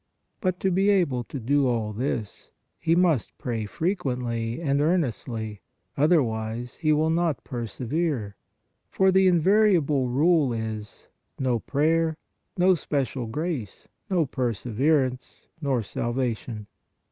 But to be able to do all this, he must pray frequently and earnestly, other wise he will not persevere, for the invariable rule is, " no prayer ; no special grace, no perseverance, nor salvation."